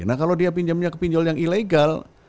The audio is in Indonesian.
nah kalau dia pinjamnya ke pinjol yang ilegal